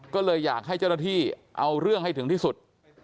ก็เลยอยากให้เจ้าหน้าที่เอาเรื่องให้ถึงที่สุด